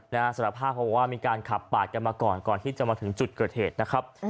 สารภาพเขาบอกว่ามีการขับปาดกันมาก่อนก่อนที่จะมาถึงจุดเกิดเหตุนะครับ